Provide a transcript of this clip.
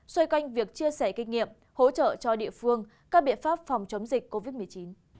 xoay canh việc chia sẻ kinh nghiệm hỗ trợ cho địa phương các biện pháp phòng chống dịch covid một mươi chín